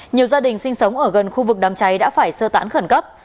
nhiều gia đình sinh sống ở gần khu vực đám cháy đã phải sơ tán khẩn cấp